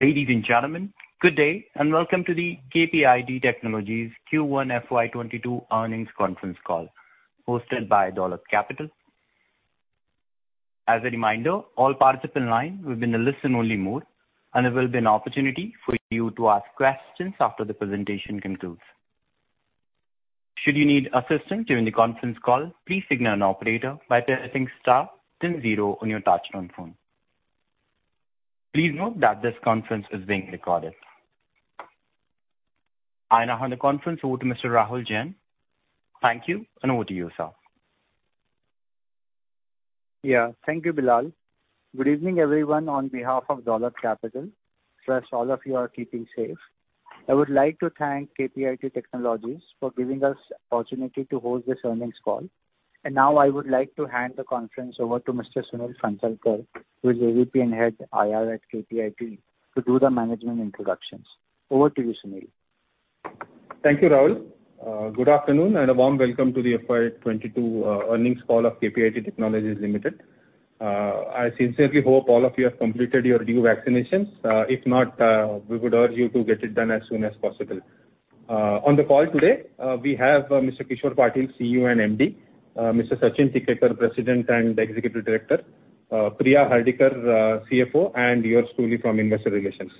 Ladies and gentlemen, good day, welcome to the KPIT Technologies Q1 FY 2022 Earnings Conference Call, hosted by Dolat Capital. As a reminder, all participants will be in a listen-only mode, and there will be an opportunity for you to ask questions after the presentation concludes. Should you need assistance during the conference call, please signal an operator by pressing star then zero on your touchtone phone. Please note that this conference is being recorded. I now hand the conference over to Mr. Rahul Jain. Thank you, over to you, sir. Thank you, Bilal. Good evening, everyone, on behalf of Dolat Capital. Trust all of you are keeping safe. I would like to thank KPIT Technologies for giving us the opportunity to host this earnings call. Now I would like to hand the conference over to Mr. Sunil Phansalkar, who is AVP and head IR at KPIT, to do the management introductions. Over to you, Sunil. Thank you, Rahul. Good afternoon, and a warm welcome to the FY 2022 earnings call of KPIT Technologies Limited. I sincerely hope all of you have completed your due vaccinations. If not, we would urge you to get it done as soon as possible. On the call today, we have Mr. Kishor Patil, CEO and MD, Mr. Sachin Tikekar, President and Executive Director, Priya Hardikar, CFO, and yours truly from Investor Relations.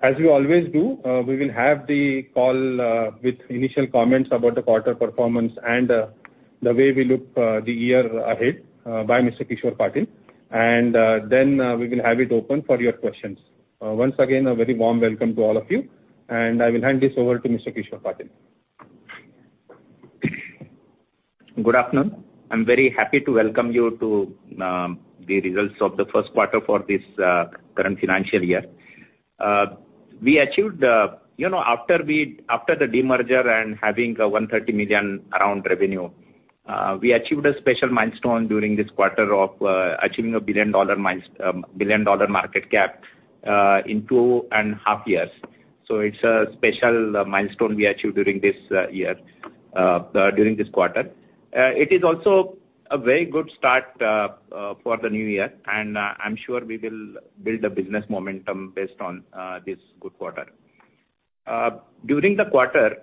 As we always do, we will have the call with initial comments about the quarter performance and the way we look the year ahead by Mr. Kishor Patil, and then we will have it open for your questions. Once again, a very warm welcome to all of you, and I will hand this over to Mr. Kishor Patil. Good afternoon. I am very happy to welcome you to the results of the first quarter for this current financial year. After the demerger and having $130 million around revenue, we achieved a special milestone during this quarter of achieving a billion-dollar market cap in two and a half years. It is a special milestone we achieved during this quarter. It is also a very good start for the new year, and I am sure we will build a business momentum based on this good quarter. During the quarter,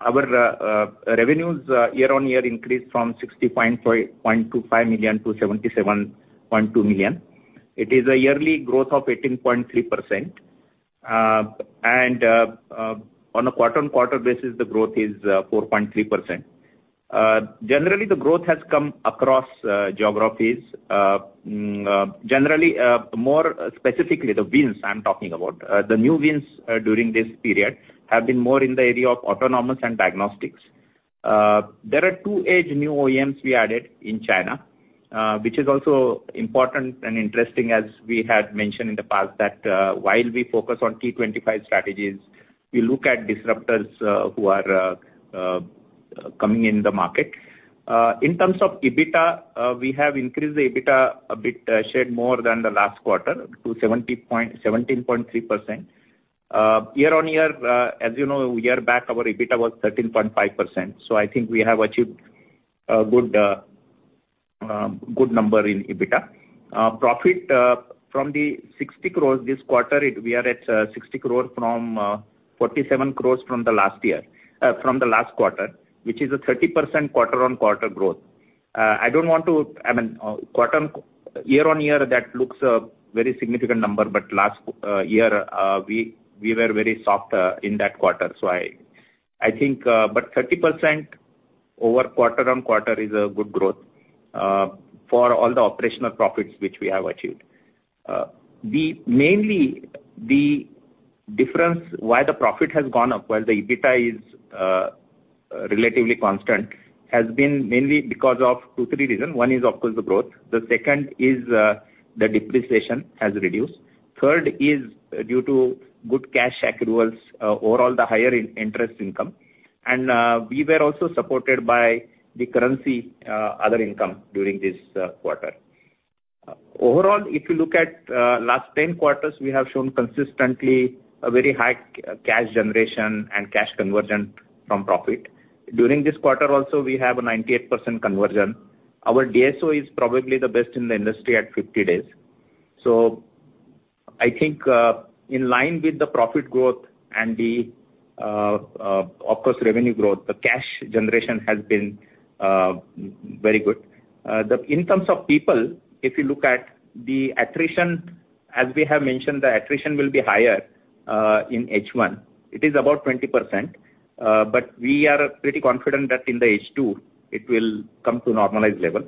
our revenues year-over-year increased from $60.25 million to $77.2 million. It is a yearly growth of 18.3%, and on a quarter-over-quarter basis, the growth is 4.3%. Generally, the growth has come across geographies. More specifically, the wins I am talking about. The new wins during this period have been more in the area of autonomous and diagnostics. There are two age new OEMs we added in China, which is also important and interesting as we had mentioned in the past that while we focus on T25 strategies, we look at disruptors who are coming in the market. In terms of EBITDA, we have increased the EBITDA a bit, shared more than the last quarter to 17.3%. Year-on-year, as you know, a year back, our EBITDA was 13.5%. I think we have achieved a good number in EBITDA. Profit from the 60 crores this quarter. We are at 60 crores from 47 crores from the last quarter, which is a 30% quarter-on-quarter growth. Year-on-year, that looks a very significant number. Last year, we were very soft in that quarter. 30% over quarter-on-quarter is a good growth for all the operational profits which we have achieved. The difference why the profit has gone up while the EBITDA is relatively constant has been mainly because of two, three reasons. One is, of course, the growth. The second is the depreciation has reduced. Third is due to good cash accruals, overall the higher interest income. We were also supported by the currency other income during this quarter. Overall, if you look at last 10 quarters, we have shown consistently a very high cash generation and cash conversion from profit. During this quarter also, we have a 98% conversion. Our DSO is probably the best in the industry at 50 days. I think in line with the profit growth and the, of course, revenue growth, the cash generation has been very good. In terms of people, if you look at the attrition, as we have mentioned, the attrition will be higher in H1. It is about 20%. We are pretty confident that in the H2, it will come to normalized level.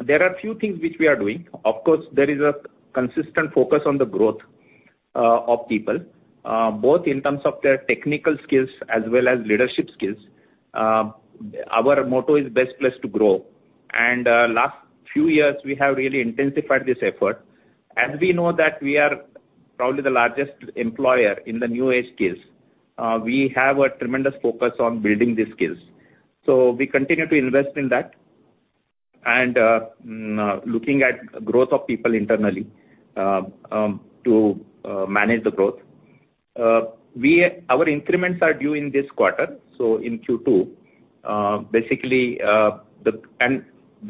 There are a few things which we are doing. Of course, there is a consistent focus on the growth of people, both in terms of their technical skills as well as leadership skills. Our motto is best place to grow. Last few years, we have really intensified this effort. As we know that we are probably the largest employer in the new age skills, we have a tremendous focus on building these skills. We continue to invest in that and looking at growth of people internally to manage the growth. Our increments are due in this quarter, so in Q2. Basically, the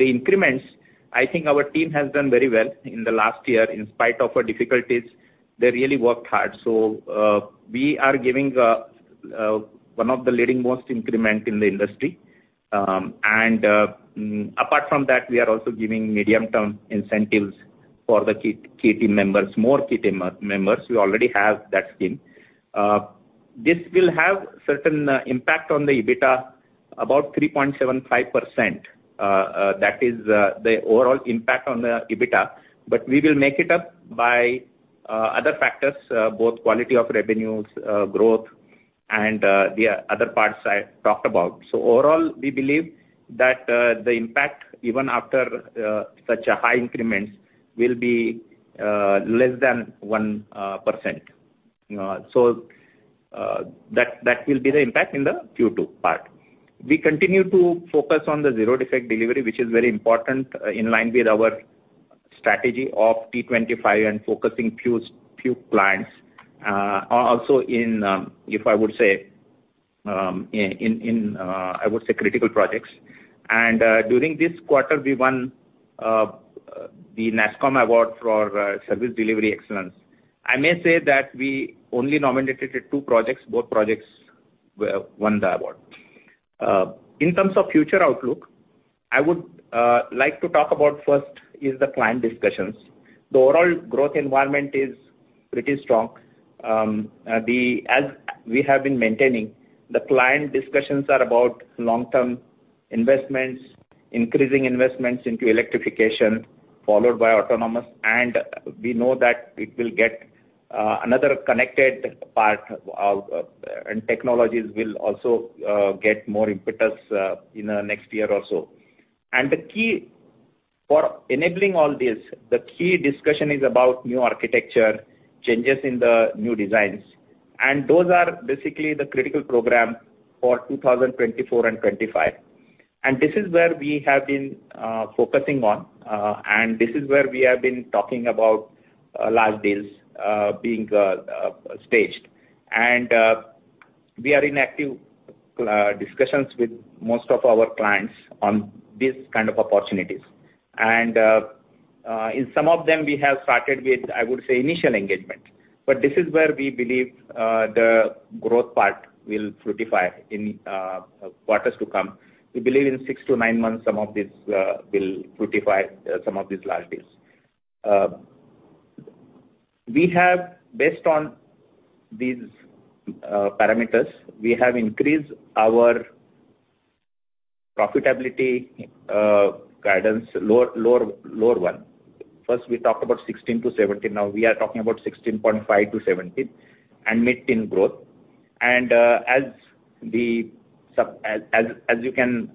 increments, I think our team has done very well in the last year. In spite of our difficulties, they really worked hard. We are giving one of the leading most increment in the industry. Apart from that, we are also giving medium-term incentives for the key team members, more key team members, we already have that scheme. This will have certain impact on the EBITDA, about 3.75%. That is the overall impact on the EBITDA. We will make it up by other factors, both quality of revenues, growth, and the other parts I talked about. Overall, we believe that the impact, even after such a high increments, will be less than 1%. That will be the impact in the Q2 part. We continue to focus on the zero defect delivery, which is very important, in line with our strategy of T25 and focusing few clients. If I would say, in critical projects. During this quarter, we won the NASSCOM Award for Service Delivery Excellence. I may say that we only nominated two projects, both projects won the award. In terms of future outlook, I would like to talk about first is the client discussions. The overall growth environment is pretty strong. As we have been maintaining, the client discussions are about long-term investments, increasing investments into electrification, followed by autonomous, and we know that it will get another connected part, and technologies will also get more impetus in the next year or so. For enabling all this, the key discussion is about new architecture, changes in the new designs. Those are basically the critical program for 2024 and 2025. This is where we have been focusing on, and this is where we have been talking about large deals being staged. We are in active discussions with most of our clients on these kind of opportunities. In some of them, we have started with, I would say, initial engagement. This is where we believe the growth part will fructify in quarters to come. We believe in six to nine months, some of these will fructify some of these large deals. Based on these parameters, we have increased our profitability guidance lower one. First, we talked about 16%-17%, now we are talking about 16.5%-17%, and mid-teen growth. As you can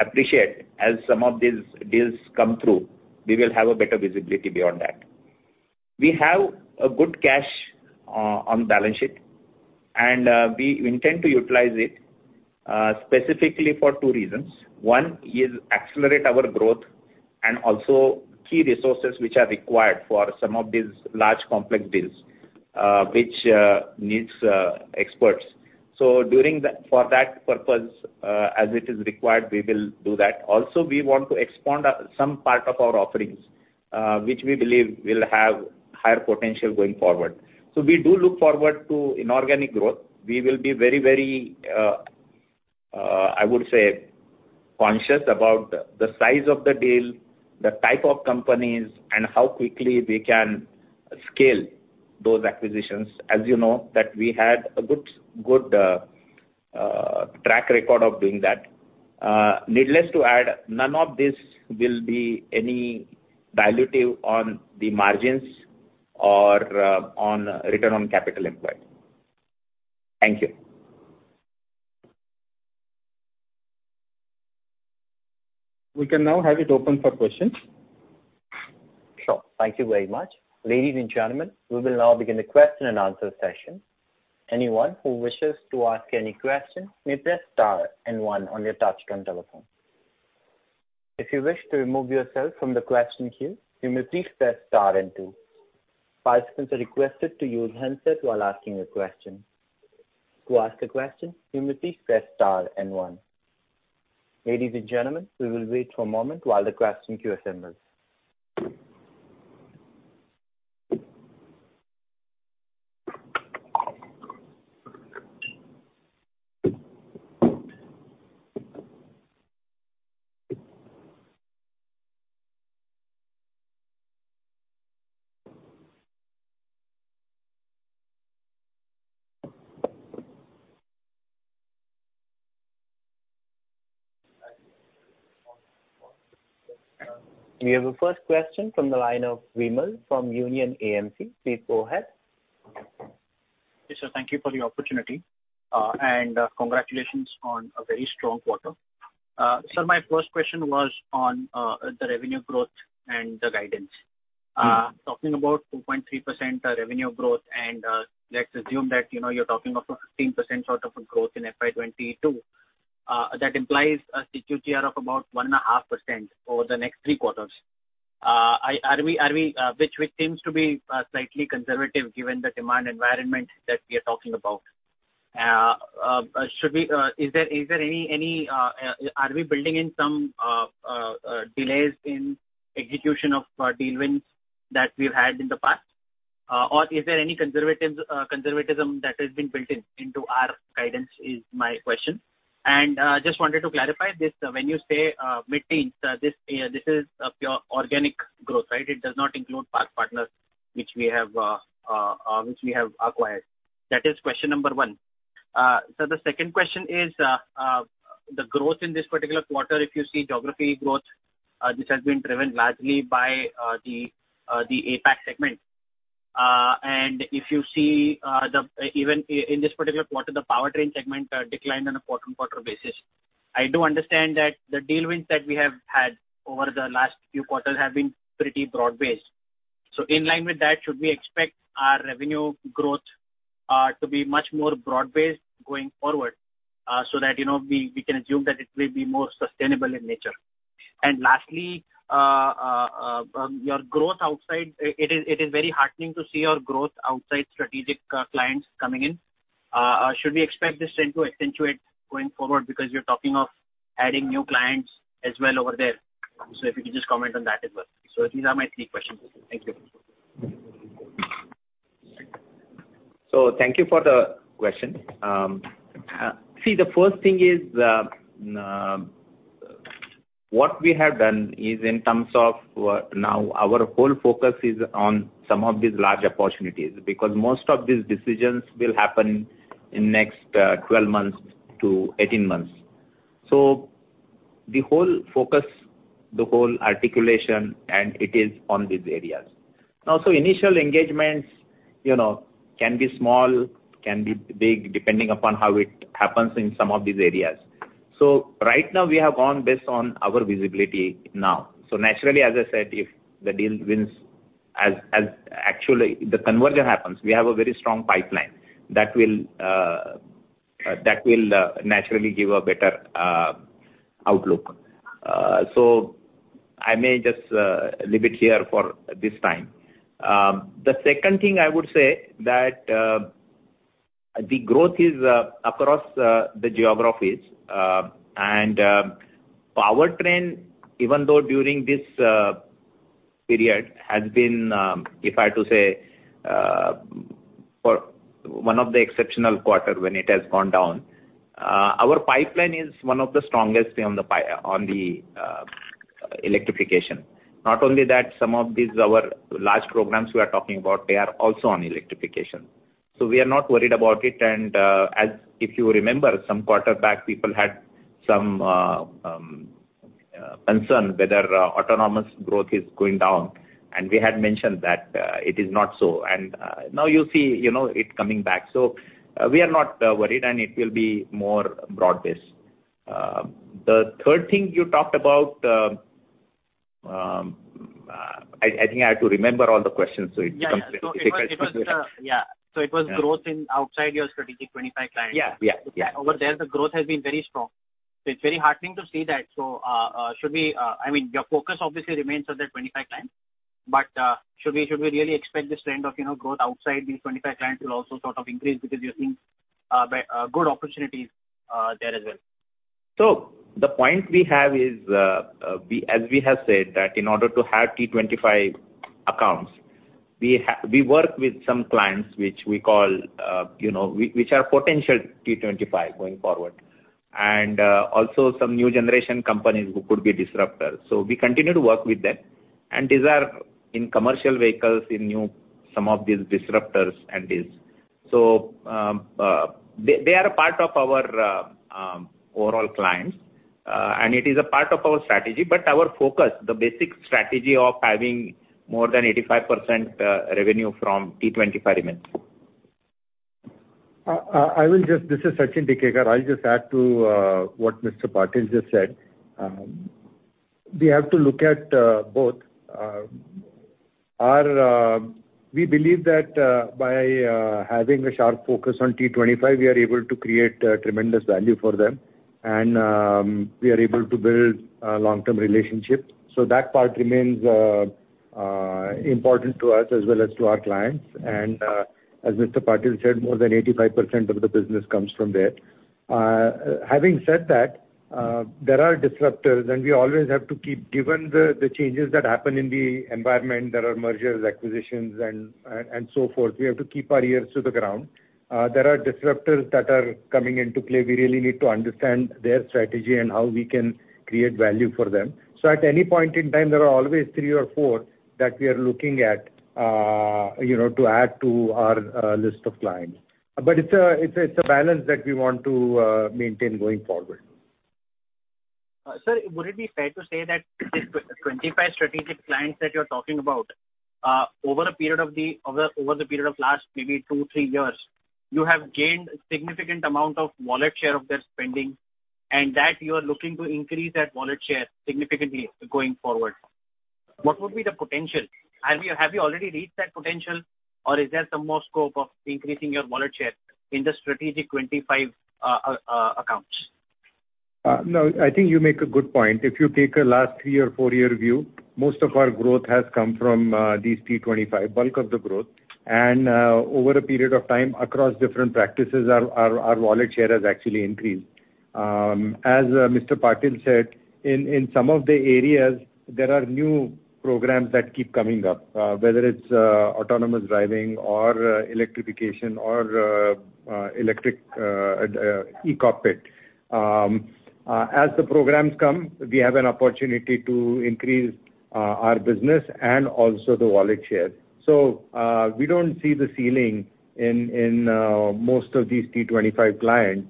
appreciate, as some of these deals come through, we will have a better visibility beyond that. We have a good cash on balance sheet, and we intend to utilize it specifically for two reasons. One is accelerate our growth and also key resources which are required for some of these large complex deals, which needs experts. For that purpose, as it is required, we will do that. Also, we want to expand some part of our offerings, which we believe will have higher potential going forward. We do look forward to inorganic growth. We will be very, I would say, conscious about the size of the deal, the type of companies, and how quickly we can scale those acquisitions. As you know that we had a good track record of doing that. Needless to add, none of this will be any dilutive on the margins or on return on capital employed. Thank you. We can now have it open for questions. Sure. Thank you very much. Ladies and gentlemen, we will now begin the question and answer session. Anyone who wishes to ask a question may press star and one on your touchtone telephone. If you wish to remove yourself from the question queue, you may please press star and two. Participants are requested to use handsets while asking a question. To ask a question, you may please press star and one. Ladies and gentlemen, we will wait for a moment while the question queue assembles. We have a first question from the line of Vimal from Union AMC. Please go ahead. Yes, sir. Thank you for the opportunity, and congratulations on a very strong quarter. Sir, my first question was on the revenue growth and the guidance. Talking about 2.3% revenue growth, and let's assume that you're talking of a 15% sort of a growth in FY 2022. That implies a CQGR of about 1.5% over the next three quarters, which seems to be slightly conservative given the demand environment that we are talking about. Are we building in some delays in execution of deal wins that we've had in the past? Or is there any conservatism that has been built into our guidance, is my question. Just wanted to clarify this, when you say mid-teens, this is pure organic growth, right? It does not include PathPartner which we have acquired. That is question number one. Sir, the second question is, the growth in this particular quarter, if you see geography growth, this has been driven largely by the APAC segment. If you see, even in this particular quarter, the powertrain segment declined on a quarter-on-quarter basis. I do understand that the deal wins that we have had over the last few quarters have been pretty broad-based. In line with that, should we expect our revenue growth to be much more broad-based going forward, so that we can assume that it will be more sustainable in nature? Lastly, it is very heartening to see your growth outside strategic clients coming in. Should we expect this trend to accentuate going forward? Because you're talking of adding new clients as well over there. If you could just comment on that as well. These are my three questions. Thank you. Thank you for the question. The first thing is, what we have done is in terms of now our whole focus is on some of these large opportunities, because most of these decisions will happen in next 12 months to 18 months. The whole focus, the whole articulation, and it is on these areas. Initial engagements can be small, can be big, depending upon how it happens in some of these areas. Right now we have gone based on our visibility now. Naturally, as I said, if the deal wins, as actually the conversion happens, we have a very strong pipeline that will naturally give a better outlook. I may just leave it here for this time. The second thing I would say that, the growth is across the geographies, and powertrain, even though during this period has been, if I to say, one of the exceptional quarter when it has gone down. Our pipeline is one of the strongest on the electrification. Not only that, some of these, our large programs we are talking about, they are also on electrification, so we are not worried about it. If you remember, some quarter back, people had some concern whether autonomous growth is going down, and we had mentioned that it is not so. Now you see it coming back. We are not worried, and it will be more broad-based. The third thing you talked about, I think I have to remember all the questions so it becomes difficult to-. Yeah. It was growth in outside your strategic 25 clients. Yeah. Over there, the growth has been very strong. It's very heartening to see that. I mean, your focus obviously remains on that 25 clients. Should we really expect this trend of growth outside these 25 clients will also sort of increase because you are seeing good opportunities there as well? The point we have is, as we have said that in order to have T25 accounts, we work with some clients which are potential T25 going forward. Also some new generation companies who could be disruptors. We continue to work with them. These are in commercial vehicles, in new, some of these disruptors and this. They are a part of our overall clients, and it is a part of our strategy, but our focus, the basic strategy of having more than 85% revenue from T25 remains. This is Sachin Tikekar. I'll just add to what Patil just said. We have to look at both. We believe that by having a sharp focus on T25, we are able to create tremendous value for them and we are able to build a long-term relationship. That part remains important to us as well as to our clients. As Patil said, more than 85% of the business comes from there. Having said that, there are disruptors, we always have to keep, given the changes that happen in the environment, there are mergers, acquisitions, and so forth. We have to keep our ears to the ground. There are disruptors that are coming into play. We really need to understand their strategy and how we can create value for them. At any point in time, there are always three or four that we are looking at to add to our list of clients. It's a balance that we want to maintain going forward. Sir, would it be fair to say that these 25 strategic clients that you're talking about, over the period of last maybe two, three years, you have gained significant amount of wallet share of their spending, and that you are looking to increase that wallet share significantly going forward? What would be the potential? Have you already reached that potential, or is there some more scope of increasing your wallet share in the strategic 25 accounts? I think you make a good point. If you take a last three or four-year view, most of our growth has come from these T25, bulk of the growth. Over a period of time, across different practices, our wallet share has actually increased. As Mr. Patil said, in some of the areas, there are new programs that keep coming up, whether it's autonomous driving or electrification or e-cockpit. As the programs come, we have an opportunity to increase our business and also the wallet share. We don't see the ceiling in most of these T25 clients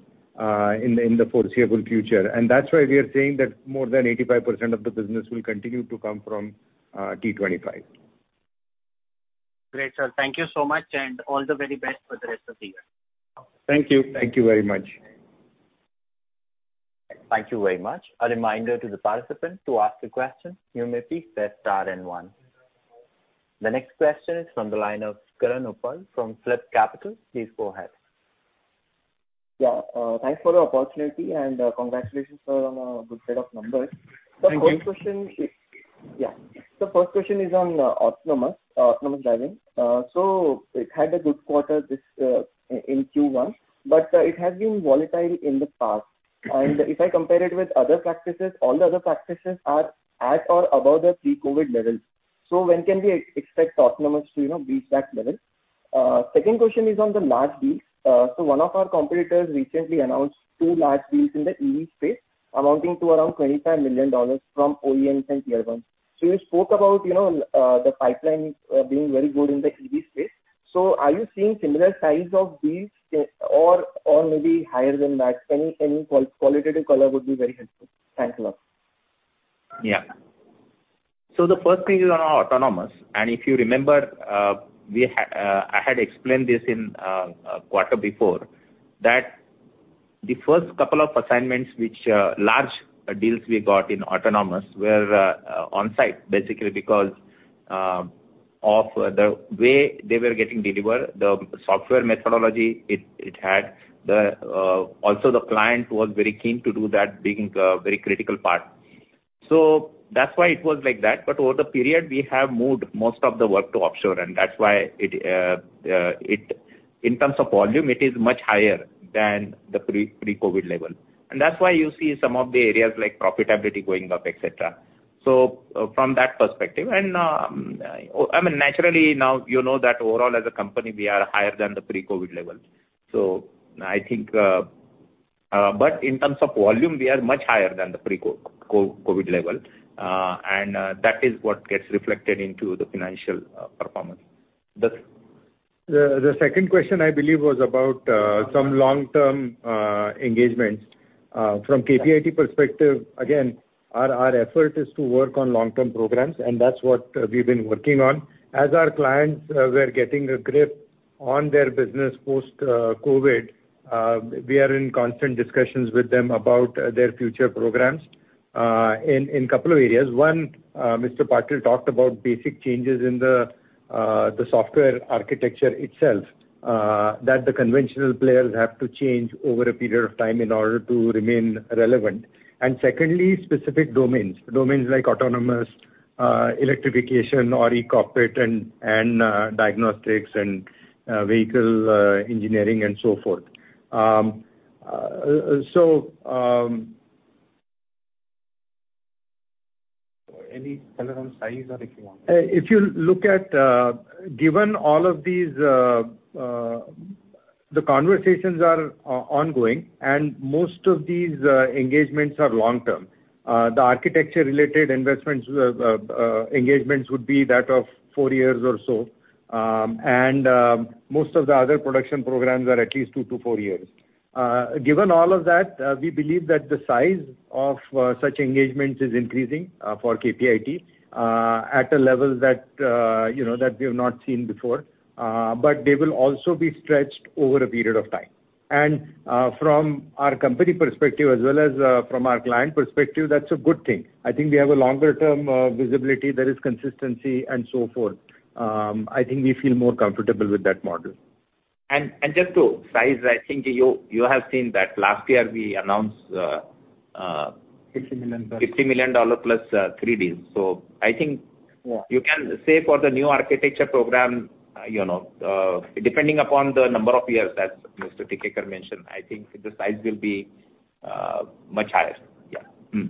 in the foreseeable future. That's why we are saying that more than 85% of the business will continue to come from T25. Great, sir. Thank you so much, and all the very best for the rest of the year. Thank you. Thank you very much. Thank you very much. A reminder to the participants to ask a question, you may please press star and one. The next question is from the line of Karan Uppal from PhillipCapital. Please go ahead. Yeah. Thanks for the opportunity and congratulations on a good set of numbers. Thank you. Yeah. First question is on autonomous driving. It had a good quarter in Q1, but it has been volatile in the past. If I compare it with other practices, all the other practices are at or above their pre-COVID levels. When can we expect autonomous to reach that level? Second question is on the large deals. One of our competitors recently announced two large deals in the EV space amounting to around $25 million from OEMs and Tier 1s. You spoke about the pipeline being very good in the EV space. Are you seeing similar size of deals or maybe higher than that? Any qualitative color would be very helpful. Thanks a lot. Yeah. The first thing is on our autonomous, and if you remember, I had explained this in quarter before, that the first couple of assignments which are large deals we got in autonomous were on-site, basically because of the way they were getting delivered, the software methodology it had. Also, the client was very keen to do that being a very critical part. That's why it was like that. Over the period, we have moved most of the work to offshore, and that's why in terms of volume, it is much higher than the pre-COVID level. That's why you see some of the areas like profitability going up, et cetera. From that perspective. Naturally now, you know that overall as a company, we are higher than the pre-COVID levels. In terms of volume, we are much higher than the pre-COVID level. That is what gets reflected into the financial performance. The second question, I believe, was about some long-term engagements. From KPIT perspective, again, our effort is to work on long-term programs, and that's what we've been working on. As our clients were getting a grip on their business post-COVID, we are in constant discussions with them about their future programs in couple of areas. One, Mr. Patil talked about basic changes in the software architecture itself, that the conventional players have to change over a period of time in order to remain relevant. Secondly, specific domains. Domains like autonomous, electrification or e-cockpit and diagnostics and vehicle engineering and so forth. Any color on size or if you want? Given all of these, the conversations are ongoing, and most of these engagements are long-term. The architecture-related engagements would be that of four years or so. Most of the other production programs are at least two-four years. Given all of that, we believe that the size of such engagements is increasing for KPIT at a level that we have not seen before. They will also be stretched over a period of time. From our company perspective as well as from our client perspective, that's a good thing. I think we have a longer-term visibility. There is consistency and so forth. I think we feel more comfortable with that model. Just to size, I think you have seen that last year we announced. $50 million $50+ million three deals. Yeah. I think you can say for the new architecture program, depending upon the number of years as Mr. Tikekar mentioned, I think the size will be much higher. Yeah.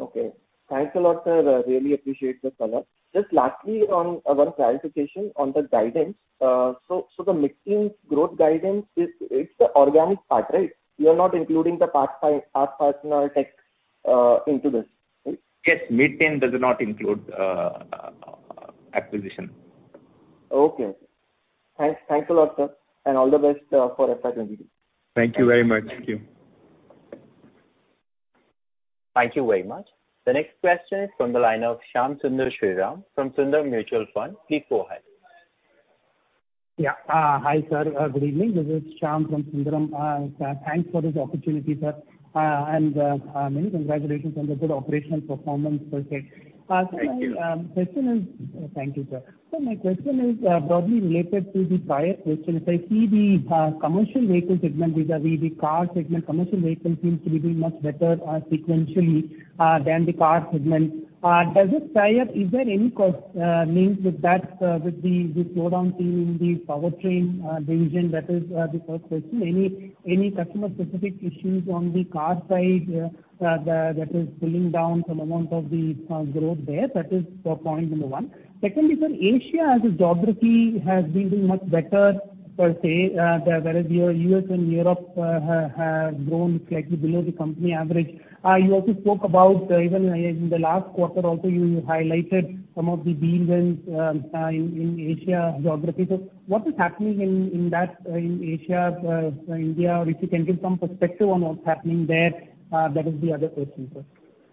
Okay. Thanks a lot, sir. Really appreciate the color. Just lastly, one clarification on the guidance. The mid-teen growth guidance, it's the organic part, right? You are not including the PathPartner or Tech into this, right? Yes. Mid-teen does not include acquisition. Okay. Thanks a lot, sir. All the best for FY 2022. Thank you very much. Thank you. Thank you very much. The next question is from the line of Shyam Sundar Sriram from Sundaram Mutual Fund. Please go ahead. Yeah. Hi, sir. Good evening. This is Shyam from Sundaram. Thanks for this opportunity, sir. Many congratulations on the good operational performance per se. Thank you. Thank you, sir. Sir, my question is broadly related to the prior question. If I see the commercial vehicle segment vis-a-vis the car segment, commercial vehicle seems to be doing much better sequentially than the car segment. Is there any cause linked with that, with the slowdown in the powertrain division? That is the first question. Any customer-specific issues on the car side that is pulling down some amount of the growth there? That is point number one. Secondly, sir, Asia as a geography has been doing much better per se, whereas your U.S. and Europe have grown slightly below the company average. You also spoke about, even in the last quarter also, you highlighted some of the deals in Asia geography. What is happening in Asia, India? If you can give some perspective on what's happening there, that is the other question, sir.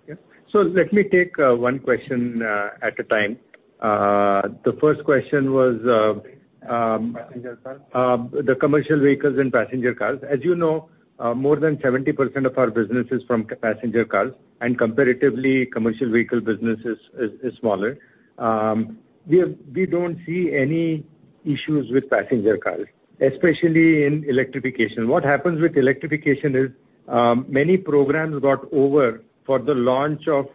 Yeah. Let me take one question at a time. The first question was the commercial vehicles and passenger cars. As you know, more than 70% of our business is from passenger cars, and comparatively, commercial vehicle business is smaller. We don't see any issues with passenger cars, especially in electrification. What happens with electrification is many programs got over for the launch of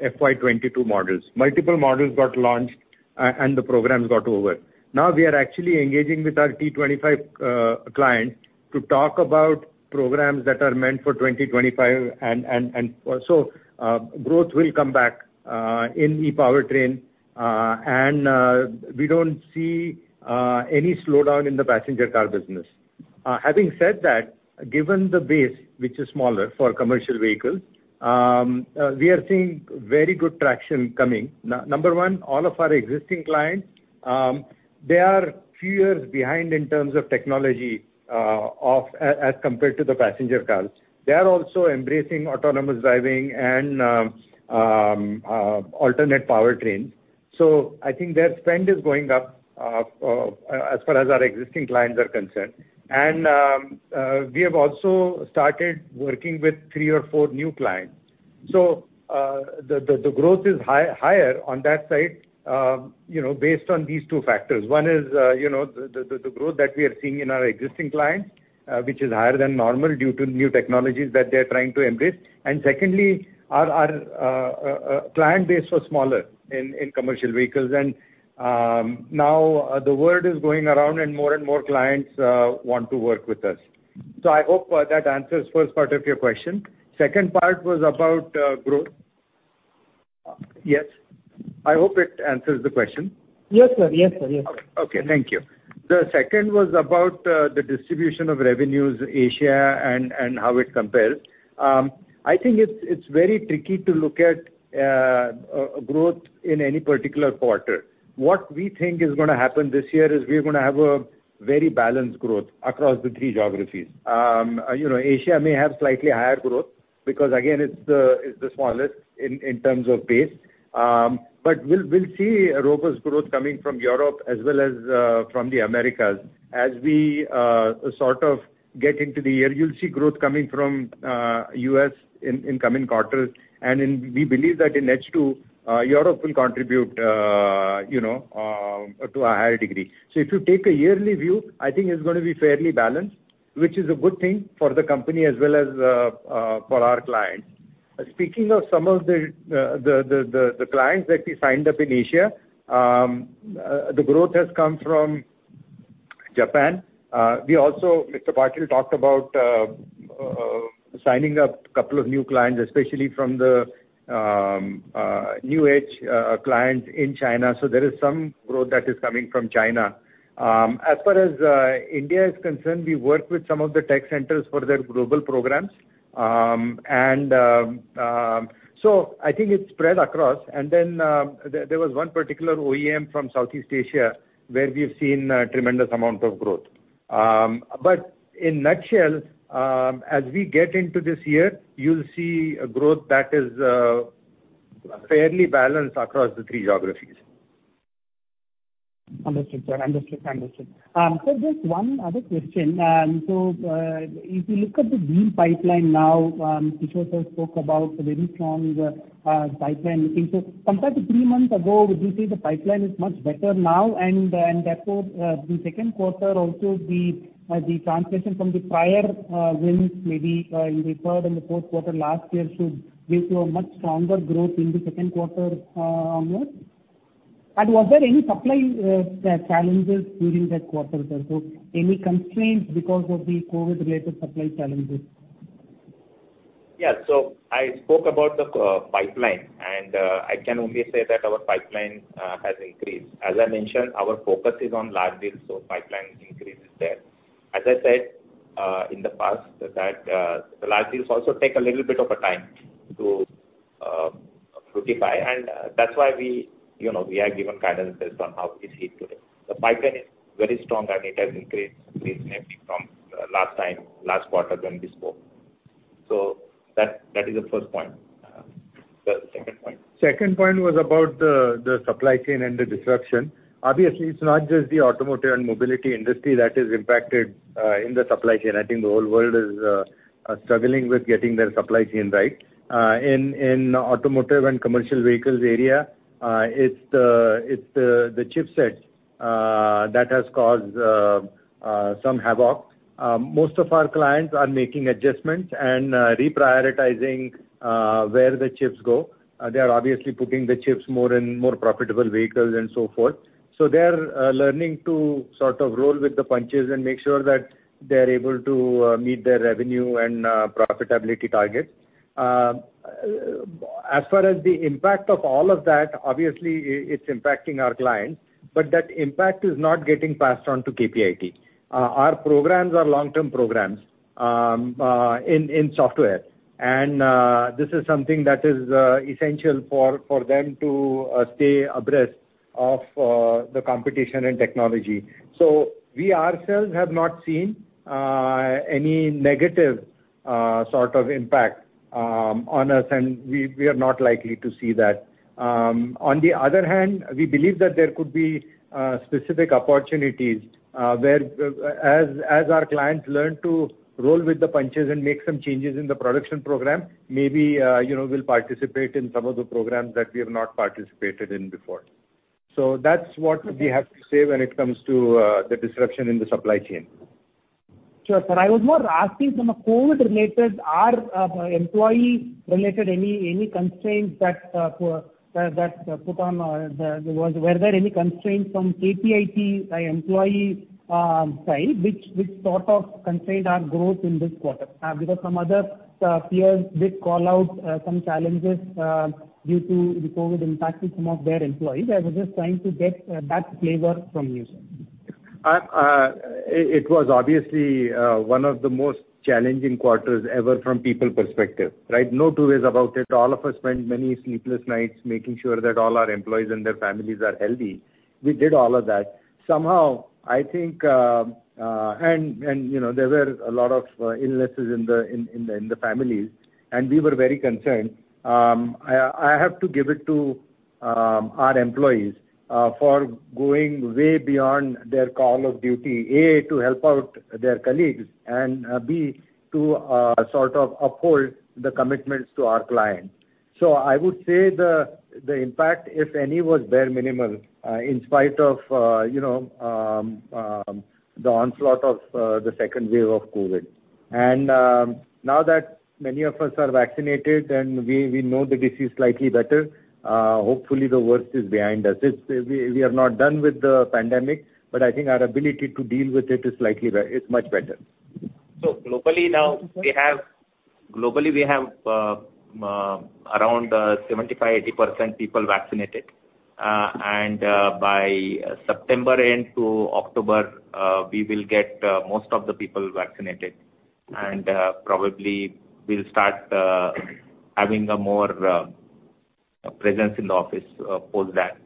FY 2022 models. Multiple models got launched, and the programs got over. Now we are actually engaging with our T25 clients to talk about programs that are meant for 2025. Growth will come back in e-powertrain. We don't see any slowdown in the passenger car business. Having said that, given the base, which is smaller for commercial vehicles, we are seeing very good traction coming. Number one, all of our existing clients, they are a few years behind in terms of technology as compared to the passenger cars. They are also embracing autonomous driving and alternate powertrains. I think their spend is going up as far as our existing clients are concerned. We have also started working with three or four new clients. The growth is higher on that side based on these two factors. One is the growth that we are seeing in our existing clients, which is higher than normal due to new technologies that they're trying to embrace. Secondly, our client base was smaller in commercial vehicles and now the word is going around and more and more clients want to work with us. I hope that answers the first part of your question. Second part was about growth. Yes, I hope it answers the question. Yes, sir. Okay. Thank you. The second was about the distribution of revenues, Asia, and how it compares. I think it's very tricky to look at growth in any particular quarter. What we think is going to happen this year is we're going to have a very balanced growth across the three geographies. Asia may have slightly higher growth because again, it's the smallest in terms of base. We'll see a robust growth coming from Europe as well as from the Americas. As we sort of get into the year, you'll see growth coming from U.S. in coming quarters. We believe that in H2, Europe will contribute to a higher degree. If you take a yearly view, I think it's going to be fairly balanced, which is a good thing for the company as well as for our clients. Speaking of some of the clients that we signed up in Asia, the growth has come from Japan. Mr. Patil talked about signing up a couple of new clients, especially from the new age clients in China. There is some growth that is coming from China. As far as India is concerned, we work with some of the tech centers for their global programs. I think it is spread across. There was one particular OEM from Southeast Asia where we've seen a tremendous amount of growth. In a nutshell, as we get into this year, you'll see a growth that is fairly balanced across the three geographies. Understood, sir. Sir, just one other question. If you look at the deal pipeline now, Kishor spoke about a very strong pipeline looking. Compared to three months ago, would you say the pipeline is much better now and therefore, the second quarter also the translation from the prior wins maybe in the third and the fourth quarter last year should lead to a much stronger growth in the second quarter onwards? Was there any supply challenges during that quarter, sir? Any constraints because of the COVID related supply challenges? Yeah. I spoke about the pipeline, and I can only say that our pipeline has increased. As I mentioned, our focus is on large deals, so pipeline increase is there. As I said in the past, that the large deals also take a little bit of time to fructify, and that's why we have given guidance based on how we see it today. The pipeline is very strong, and it has increased significantly from last time, last quarter when we spoke. That is the first point. The second point. Second point was about the supply chain and the disruption. Obviously, it's not just the automotive and mobility industry that is impacted in the supply chain. I think the whole world is struggling with getting their supply chain right. In automotive and commercial vehicles area, it's the chipset that has caused some havoc. Most of our clients are making adjustments and reprioritizing where the chips go. They're obviously putting the chips more in more profitable vehicles and so forth. They're learning to roll with the punches and make sure that they're able to meet their revenue and profitability targets. As far as the impact of all of that, obviously, it's impacting our clients, but that impact is not getting passed on to KPIT. Our programs are long-term programs in software, and this is something that is essential for them to stay abreast of the competition in technology. We ourselves have not seen any negative impact on us, and we are not likely to see that. On the other hand, we believe that there could be specific opportunities where, as our clients learn to roll with the punches and make some changes in the production program, maybe we'll participate in some of the programs that we have not participated in before. That's what we have to say when it comes to the disruption in the supply chain. Sure, sir. I was more asking some of COVID related or employee related, any constraints that put on or were there any constraints from KPIT employee side, which sort of constrained our growth in this quarter? Some other peers did call out some challenges due to the COVID impacting some of their employees. I was just trying to get that flavor from you, sir. It was obviously one of the most challenging quarters ever from people perspective, right? No two ways about it. All of us spent many sleepless nights making sure that all our employees and their families are healthy. We did all of that. There were a lot of illnesses in the families, and we were very concerned. I have to give it to our employees for going way beyond their call of duty, A, to help out their colleagues and B, to uphold the commitments to our clients. I would say the impact, if any, was bare minimal, in spite of the onslaught of the second wave of COVID. Now that many of us are vaccinated and we know the disease slightly better, hopefully the worst is behind us. We are not done with the pandemic, but I think our ability to deal with it is much better. Globally we have around 75%, 80% people vaccinated. By September end to October, we will get most of the people vaccinated. Probably we'll start having a more presence in the office post that.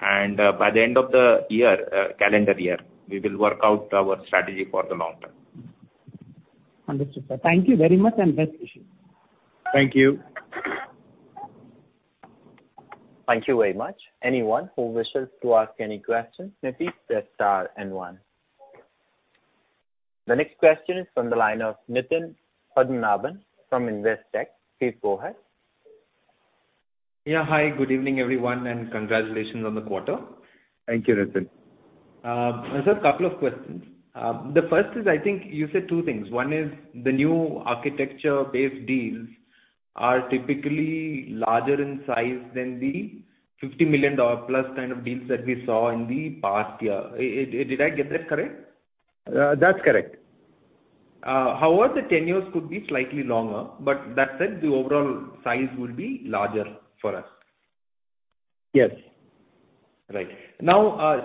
By the end of the calendar year, we will work out our strategy for the long term. Understood, sir. Thank you very much and best wishes. Thank you. Thank you very much. Anyone who wishes to ask any questions, maybe press star and one. The next question is from the line of Nitin Padmanabhan from Investec. Please go ahead. Yeah. Hi, good evening, everyone, and congratulations on the quarter. Thank you, Nitin. Sir, a couple of questions. The first is, I think you said two things. One is the new architecture-based deals are typically larger in size than the $50+ million kind of deals that we saw in the past year. Did I get that correct? That's correct. Tenures could be slightly longer, but that said, the overall size will be larger for us. Yes. Right.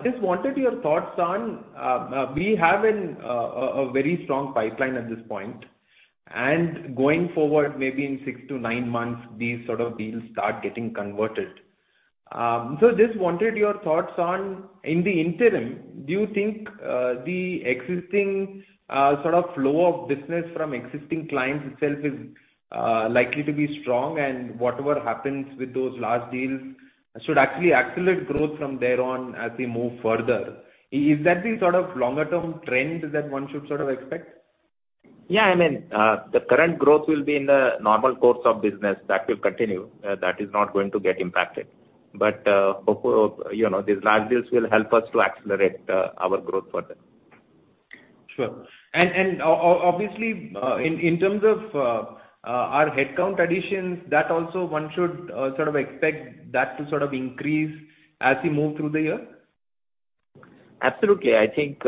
Just wanted your thoughts on, we have a very strong pipeline at this point, and going forward, maybe in six to nine months, these sort of deals start getting converted. Just wanted your thoughts on, in the interim, do you think the existing flow of business from existing clients itself is likely to be strong, and whatever happens with those large deals should actually accelerate growth from thereon as we move further. Is that the longer-term trend that one should expect? Yeah. The current growth will be in the normal course of business. That will continue. That is not going to get impacted. Hopefully these large deals will help us to accelerate our growth further. Sure. Obviously, in terms of our headcount additions, that also one should expect that to increase as we move through the year? Absolutely. I think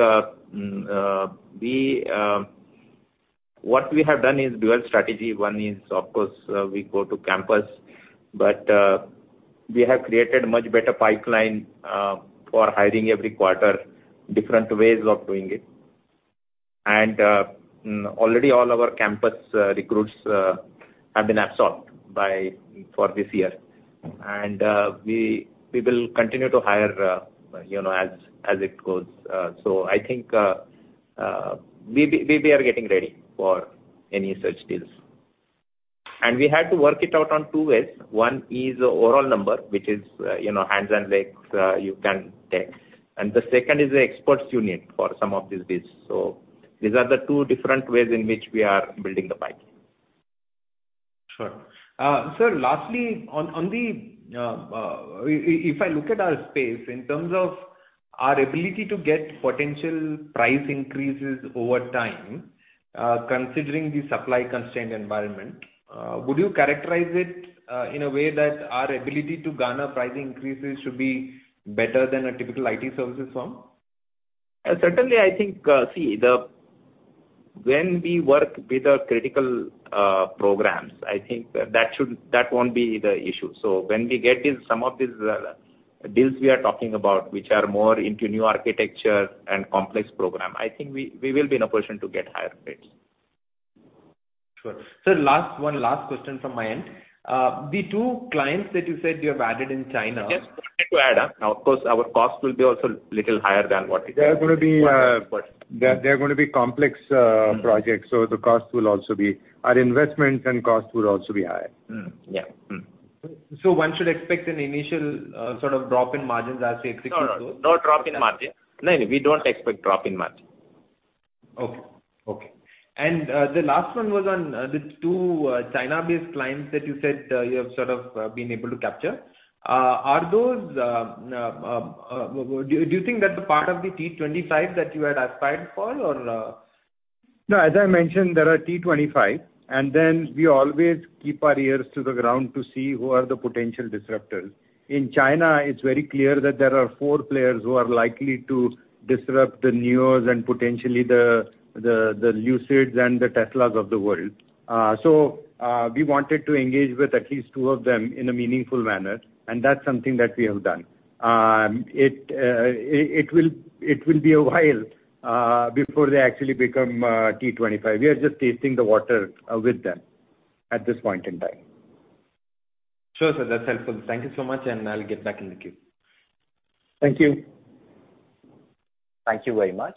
what we have done is dual strategy. One is, of course, we go to campus. We have created much better pipeline for hiring every quarter, different ways of doing it. Already all our campus recruits have been absorbed for this year. We will continue to hire as it goes. I think we are getting ready for any such deals. We had to work it out on two ways. One is the overall number, which is hands and legs you can take. The second is the experts you need for some of these deals. These are the two different ways in which we are building the pipe. Sure. Sir, lastly, if I look at our space in terms of our ability to get potential price increases over time, considering the supply-constrained environment, would you characterize it in a way that our ability to garner price increases should be better than a typical IT services firm? Certainly, I think, when we work with the critical programs, I think that won't be the issue. When we get some of these deals we are talking about, which are more into new architecture and complex program, I think we will be in a position to get higher rates. Sure. Sir, one last question from my end. The two clients that you said you have added in China- Just wanted to add, of course, our cost will be also a little higher than what it is. Okay. They're going to be complex projects. Our investments and costs will also be high. Yeah. One should expect an initial sort of drop in margins as you execute those- No. No drop in margin. No, we don't expect drop in margin. Okay. The last one was on the two China-based clients that you said you have sort of been able to capture. Do you think that's a part of the T25 that you had aspired for or? As I mentioned, there are T25, and then we always keep our ears to the ground to see who are the potential disruptors. In China, it's very clear that there are four players who are likely to disrupt the NIO and potentially the Lucid and the Tesla of the world. We wanted to engage with at least two of them in a meaningful manner, and that's something that we have done. It will be a while before they actually become T25. We are just testing the water with them at this point in time. Sure, sir. That's helpful. Thank you so much. I'll get back in the queue. Thank you. Thank you very much.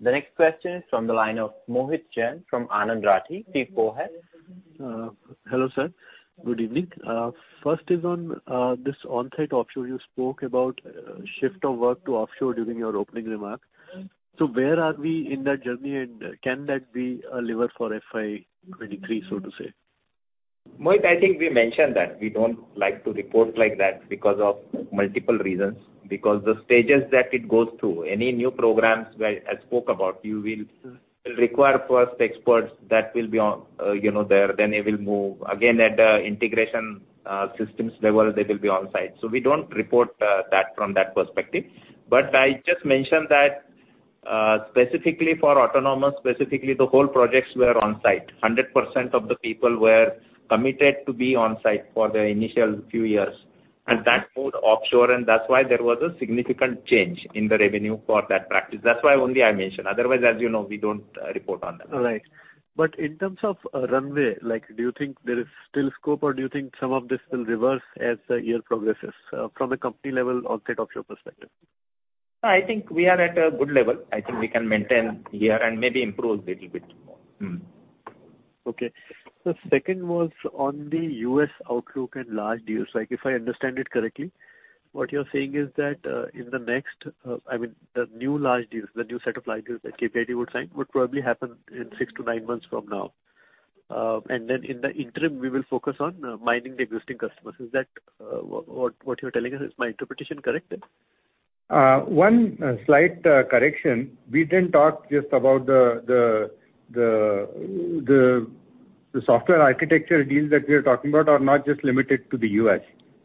The next question is from the line of Mohit Jain from Anand Rathi. Please go ahead. Hello, sir. Good evening. First is on this onsite-offshore you spoke about shift of work to offshore during your opening remarks. Where are we in that journey, and can that be a lever for FY 2023, so to say? Mohit, I think we mentioned that we don't like to report like that because of multiple reasons. The stages that it goes through, any new programs where I spoke about, you will require first experts that will be there. They will move. Again, at the integration systems level, they will be on-site. We don't report that from that perspective. I just mentioned that specifically for autonomous, specifically the whole projects were on-site. 100% of the people were committed to be on-site for the initial few years. That moved offshore, and that's why there was a significant change in the revenue for that practice. That's why only I mentioned. Otherwise, as you know, we don't report on them. Right. In terms of runway, do you think there is still scope or do you think some of this will reverse as the year progresses from a company level onsite-offshore perspective? I think we are at a good level. I think we can maintain here and maybe improve little bit more. Okay. Sir, second was on the U.S. outlook and large deals. If I understand it correctly, what you're saying is that in the next, I mean, the new large deals, the new set of large deals that KPIT would sign would probably happen in six to nine months from now. In the interim, we will focus on mining the existing customers. Is that what you're telling us? Is my interpretation correct there? One slight correction. We didn't talk just about the software architecture deals that we are talking about are not just limited to the U.S.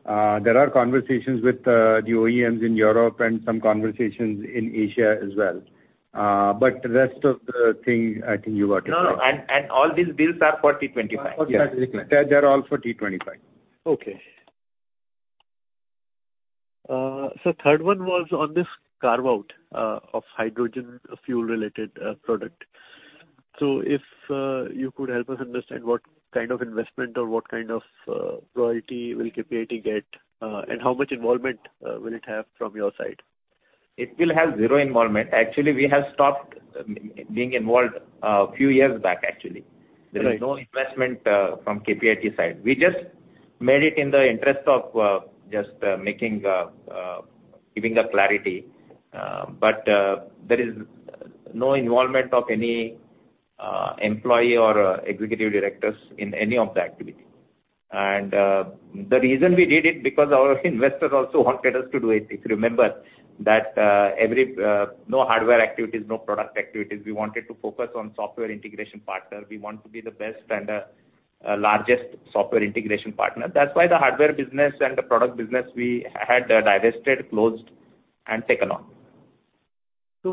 There are conversations with the OEMs in Europe and some conversations in Asia as well. Rest of the thing, I think you got it right. No. All these deals are for T25? Yes. They are all for T25. Okay. Sir, third one was on this carve-out of hydrogen fuel related product. If you could help us understand what kind of investment or what kind of royalty will KPIT get, and how much involvement will it have from your side? It will have zero involvement. Actually, we have stopped being involved a few years back actually. Right. There is no investment from KPIT side. We just made it in the interest of just giving a clarity. There is no involvement of any employee or executive directors in any of the activity. The reason we did it, because our investors also wanted us to do it. If you remember that no hardware activities, no product activities. We wanted to focus on software integration partner. We want to be the best and largest software integration partner. That's why the hardware business and the product business we had divested, closed, and taken on.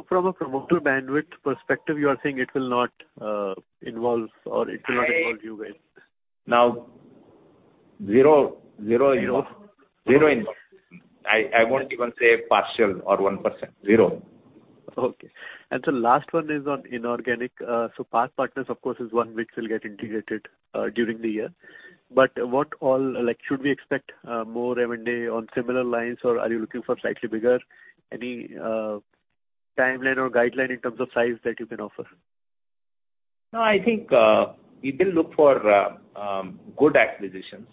From a promoter bandwidth perspective, you are saying it will not involve you guys. Now zero involvement. I won't even say partial or 1%. Zero. Okay. Sir, last one is on inorganic. PathPartner, of course, is one which will get integrated during the year. Should we expect more M&A on similar lines, or are you looking for slightly bigger? Any timeline or guideline in terms of size that you can offer? No, I think we will look for good acquisitions.